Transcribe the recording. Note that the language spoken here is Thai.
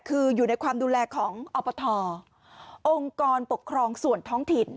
คืออยู่ในความดูแลของอปทองค์กรปกครองส่วนท้องถิ่น